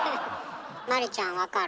麻里ちゃん分かる？